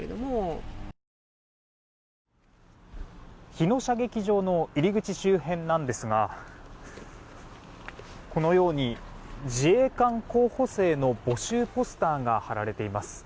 日野射撃場の入り口周辺なんですがこのように自衛官候補生の募集ポスターが貼られています。